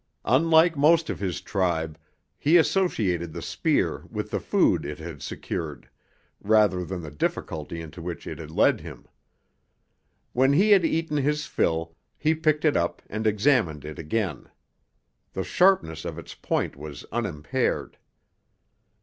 Unlike most of his tribe, he associated the spear with the food it had secured, rather than the difficulty into which it had led him. When he had eaten his fill he picked it up and examined it again. The sharpness of its point was unimpaired.